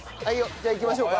じゃあいきましょうか。